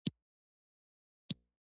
افغانستان د آمو سیند له امله ډېر شهرت لري.